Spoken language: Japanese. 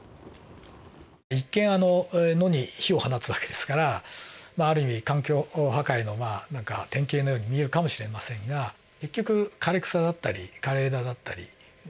一見野に火を放つ訳ですからある意味環境破壊の何か典型のように見えるかもしれませんが結局枯れ草だったり枯れ枝だったりを燃やしてる訳ですね。